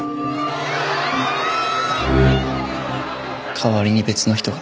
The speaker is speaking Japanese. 代わりに別の人が。